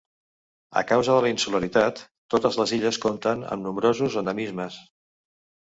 A causa de la insularitat, totes les illes compten amb nombrosos endemismes.